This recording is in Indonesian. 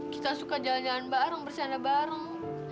kita suka jalan jalan bareng bercanda bareng